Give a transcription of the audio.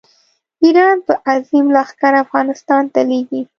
ایران به عظیم لښکر افغانستان ته لېږي.